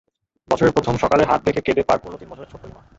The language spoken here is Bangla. বছরের প্রথম সকালে হাত দেখে কেঁদে পার করল তিন বছরের ছোট্ট লিমা।